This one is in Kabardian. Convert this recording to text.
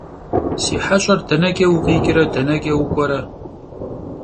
Si heş'er deneç'e vukhiç're, deneç'e vuk'uere?